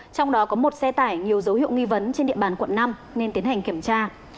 trong đó có một xe tải nhiều dấu hiệu nghi vấn trên địa bàn quận năm nên tiến hành kiểm tra